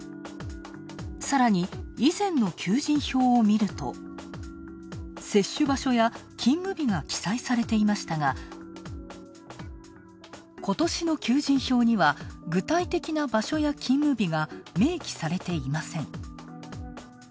さらに以前の求人票を見ると接種場所や勤務日が記載されていましたがことしの求人票には具体的な場所や勤務日が明記されていません。